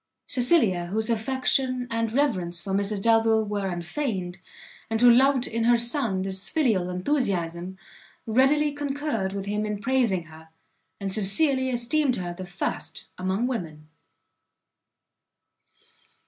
Cecilia, whose affection and reverence for Mrs Delvile were unfeigned, and who loved in her son this filial enthusiasm, readily concurred with him in praising her, and sincerely esteemed her the first among women.